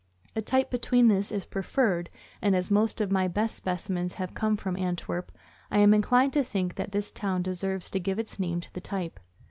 A type between this is preferred, and as most of my best specimens have come from Antwerp, I am inclined to think that this town deserves to give its name to the type.